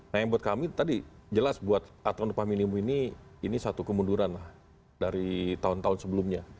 nah yang buat kami tadi jelas buat aturan upah minimum ini ini satu kemunduran lah dari tahun tahun sebelumnya